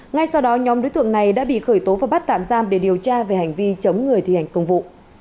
ngay sau đó nhóm đối tượng này đã bị khởi tố và bắt tạm giam để điều tra về hành vi chống người thi hành công vụ